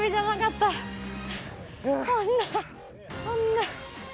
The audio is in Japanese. こんなこんな。